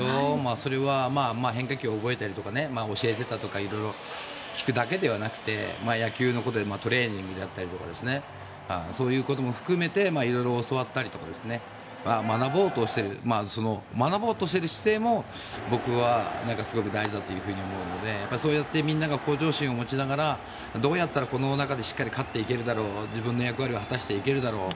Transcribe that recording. それは変化球を覚えたりとか教えていたとか色々聞くだけではなくて野球のことでトレーニングだったりとかそういうことも含めて色々教わったりとか学ぼうとしている姿勢も僕はすごく大事だというふうに思うのでそうやってみんなが向上心を持ちながらどうやったらこの中でしっかり勝っていけるだろう自分の役割を果たしていけるだろう。